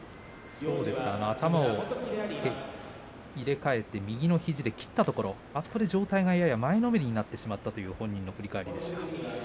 頭を入れ替えて右の肘で切ったところあそこで上体がやや前のめりになってしまったということなんですね。